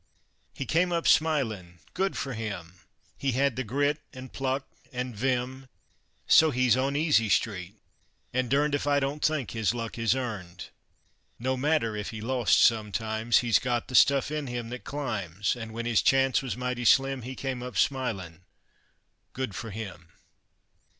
He came up smilin' good fer him! He had th' grit an' pluck an' vim, So he's on Easy Street, an' durned If I don't think his luck is earned! No matter if he lost sometimes, He's got th' stuff in him that climbs, An' when his chance was mighty slim, He came up smilin' good fer him!